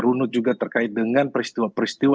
runut juga terkait dengan peristiwa peristiwa